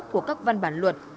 của các văn bản luật